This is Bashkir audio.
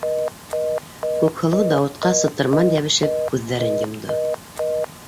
Күкһылыу Дауытҡа сытырман йәбешеп, күҙҙәрен йомдо: